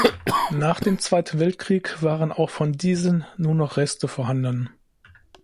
Nach dem Zweiten Weltkrieg waren auch von diesen nur noch Reste vorhanden.